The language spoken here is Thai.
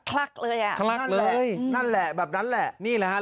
คลักเลยอ่ะนั่นแหละนั่นแหละแบบนั้นแหละนี่แหละฮะ